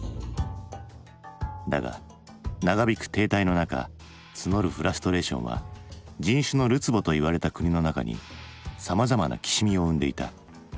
だが長びく停滞の中募るフラストレーションは人種のるつぼと言われた国の中にさまざまな軋みを生んでいた。